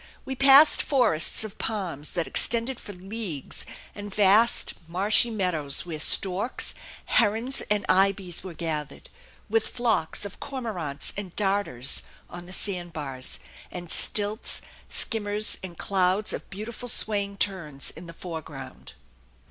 We passed forests of palms that extended for leagues, and vast marshy meadows, where storks, herons, and ibis were gathered, with flocks of cormorants and darters on the sand bars, and stilts, skimmers, and clouds of beautiful swaying terns in the foreground.